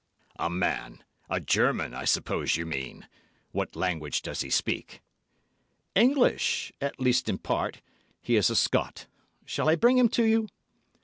"A man! A German, I suppose you mean? What language does he speak?" "English. At least in part. He is a Scot. Shall I bring him to you?"